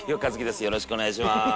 よろしくお願いします。